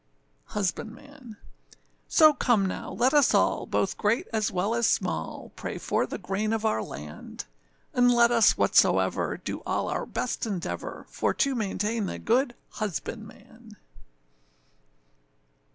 HUSBANDMAN. So come now, let us all, both great as well as small, Pray for the grain of our land; And let us, whatsoever, do all our best endeavour, For to maintain the good husbandman.